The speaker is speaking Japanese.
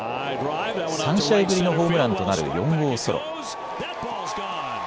３試合ぶりのホームランとなる４号ソロ。